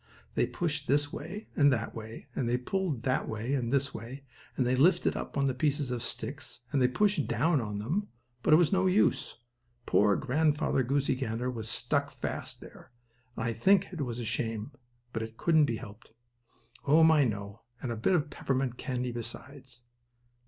They pushed this way and that way, and they pulled that way and this way, and they lifted up on the pieces of sticks, and they pushed down on them, but it was no use. Poor Grandfather Goosey Gander was stuck fast there, and I think it was a shame, but it couldn't be helped. Oh my no, and a bit of peppermint candy besides!